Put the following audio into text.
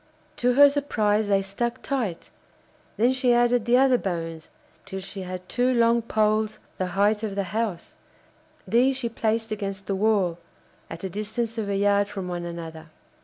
To her surprise they stuck tight; then she added the other bones, till she had two long poles the height of the house; these she placed against the wall, at a distance of a yard from one another.